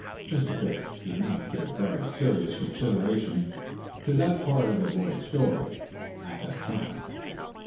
Mr. Phipps did not give very serious consideration to that part of the boy's story at the time.